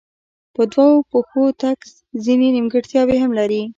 په دوو پښو تګ ځینې نیمګړتیاوې هم لري.